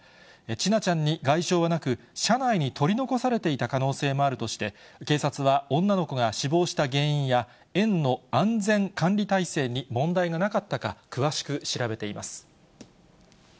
ちなちゃんに外傷はなく、車内に取り残されていた可能性もあるとして、警察は女の子が死亡した原因や、園の安全管理体制に問題がなかったか、詳しく調べています。